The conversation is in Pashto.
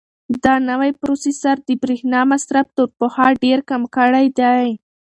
دا نوی پروسیسر د برېښنا مصرف تر پخوا ډېر کم کړی دی.